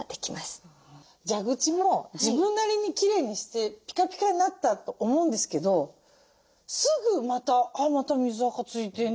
蛇口も自分なりにきれいにしてピカピカになったと思うんですけどすぐまた「また水あか付いてんじゃん。